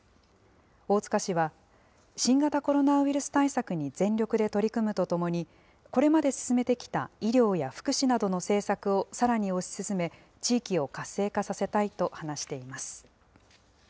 大塚氏は、新型コロナウイルス対策に全力で取り組むとともに、これまで進めてきた医療や福祉などの政策をさらに推し進め、地域を活性化させたいと話しています。